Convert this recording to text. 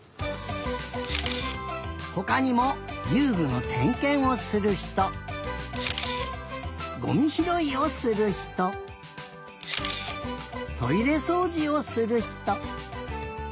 ほかにもゆうぐのてんけんをするひとゴミひろいをするひとトイレそうじをするひと。